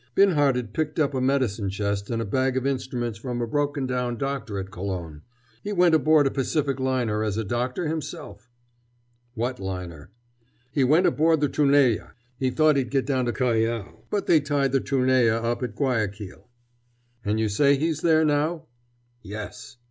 Binhart'd picked up a medicine chest and a bag of instruments from a broken down doctor at Colon. He went aboard a Pacific liner as a doctor himself." "What liner?" "He went aboard the Trunella. He thought he'd get down to Callao. But they tied the Trunella up at Guayaquil." "And you say he's there now?" "Yes!"